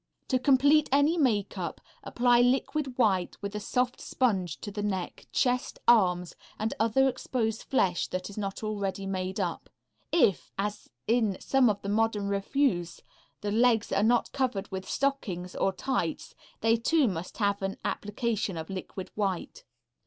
To complete any makeup, apply liquid white with a soft sponge to the neck, chest, arms and other exposed flesh that is not already made up. If, as in some of the modern revues, the legs are not covered with stockings or tights, they too must have an application of liquid white.